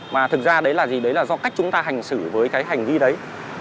mà thực ra đấy là gì đấy là do cách chúng ta hành xử với cái hành vi đấy